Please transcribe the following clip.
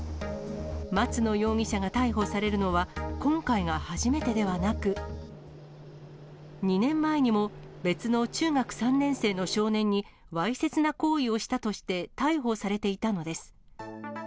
松野容疑者が逮捕されるのは今回が初めてではなく、２年前にも別の中学３年生の少年にわいせつな行為をしたとして逮捕されていたのです。